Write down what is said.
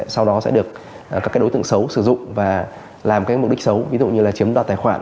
sau đó sẽ được các đối tượng xấu sử dụng và làm mục đích xấu ví dụ như là chiếm đoạt tài khoản